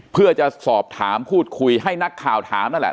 เพื่อจะสอบถามพูดคุยให้นักข่าวถามนั่นแหละ